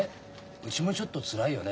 うちもちょっとつらいよね。